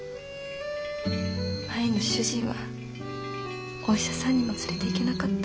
前の主人はお医者さんにも連れていけなかった。